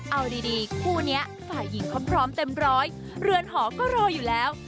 เอาดีคู่นี้ฝ่ายหญิงเขาพร้อมเต็มร้อยเรือนหอก็รออยู่แล้ว